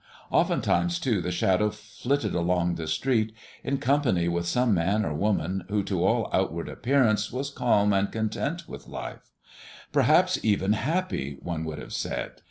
Oftentimes, too, the Shadow flitted along the street in company with some man or woman who to all outward appearance was calm and content with life; perhaps even happy, one would have said.